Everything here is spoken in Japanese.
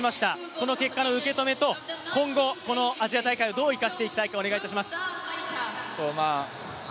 この結果の受け止めと、今後アジア大会をどう生かしていきたいかお願いします。